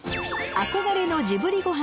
憧れのジブリご飯